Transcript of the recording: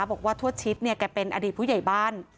บอกว่าทวดชิดเนี่ยแกเป็นอดีตผู้ใหญ่บ้าน